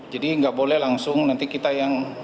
jadi tidak boleh langsung nanti kita yang